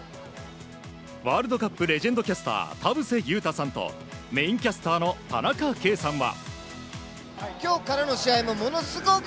ワールドカップレジェンドキャスター田臥勇太さんとメインキャスターの田中圭さんは。